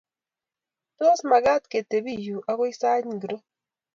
Tos, magaat ketebii yu agoy sait ngiro?